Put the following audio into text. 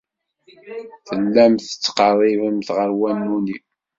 Tellamt tettqerribemt ɣer wanu-nni.